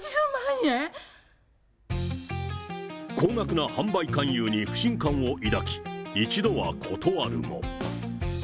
高額な販売勧誘に不信感を抱き、一度は断るも。